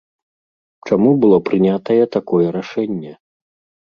Чаму было прынятае такое рашэнне?